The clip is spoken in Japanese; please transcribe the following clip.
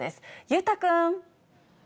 裕太君。